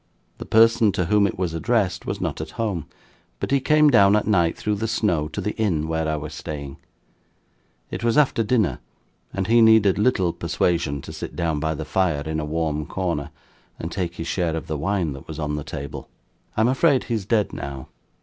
The person to whom it was addressed, was not at home; but he came down at night, through the snow, to the inn where I was staying. It was after dinner; and he needed little persuasion to sit down by the fire in a warm corner, and take his share of the wine that was on the table. I am afraid he is dead now.